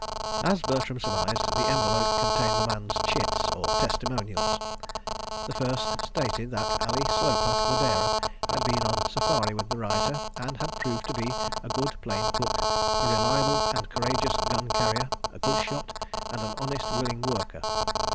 As Bertram surmised, the envelope contained the man's "chits," or testimonials. The first stated that Ali Sloper, the bearer, had been on safari with the writer, and had proved to be a good plain cook, a reliable and courageous gun carrier, a good shot, and an honest, willing worker.